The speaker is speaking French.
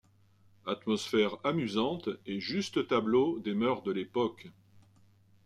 Atmosphère amusante et juste tableau des mœurs de l’époque.